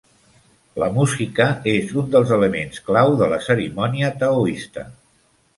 La música és un dels elements clau de la cerimònia taoista.